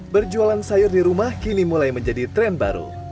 berjualan sayur di rumah kini mulai menjadi tren baru